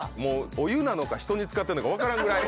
お湯なのか人につかってるのか分からんぐらい。